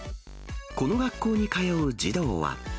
この学校に通う児童は。